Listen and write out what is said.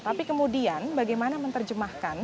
tapi kemudian bagaimana menerjemahkan